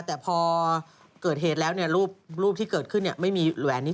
แต่พอเกิดเหตุแล้วเนี่ยรูปที่เกิดขึ้นไม่มีแหวนนี้